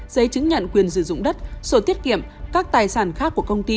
giấy chứng nhận quyền dự dụng đất số tiết kiệm các tài sản khác của công ty